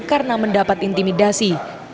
karena mendapat intimidasi